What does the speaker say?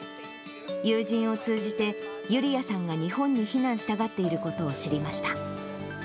友人を通じて、ユリヤさんが日本に避難したがっていることを知りました。